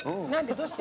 どうして？